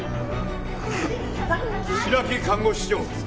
白木看護師長。